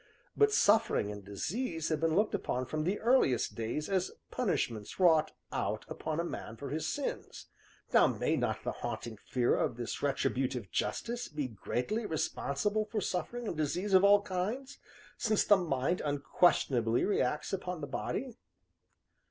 but suffering and disease have been looked upon from the earliest days as punishments wrought out upon a man for his sins. Now, may not the haunting fear of this retributive justice be greatly responsible for suffering and disease of all kinds, since the mind unquestionably reacts upon the body?"